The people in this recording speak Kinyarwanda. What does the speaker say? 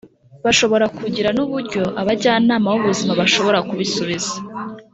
bashobora kugira n’uburyo abajyanama b’ubuzima bashobora kubisubiza